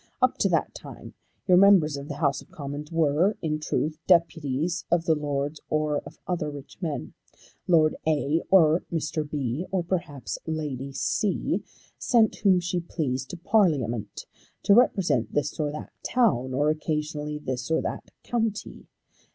Up to that time your members of the House of Commons were in truth deputies of the Lords or of other rich men. Lord A, or Mr. B, or perhaps Lady C, sent whom she pleased to Parliament to represent this or that town, or occasionally this or that county.